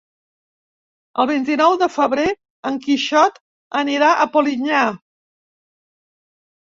El vint-i-nou de febrer en Quixot anirà a Polinyà.